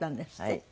はい。